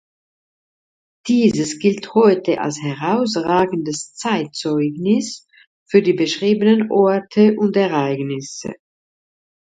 Dieses gilt heute als herausragendes Zeitzeugnis für die beschriebenen Orte und Ereignisse.